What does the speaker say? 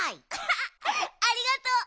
アハありがとう